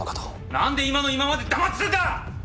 なんで今の今まで黙ってたんだ！